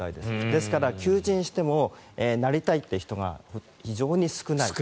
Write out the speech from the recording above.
ですから、求人してもなりたいという人が非常に少ない。